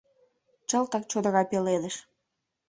Чылтак чодыра пеледыш.